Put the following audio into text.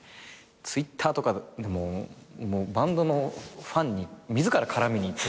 Ｔｗｉｔｔｅｒとかでもバンドのファンに自ら絡みに行ってて。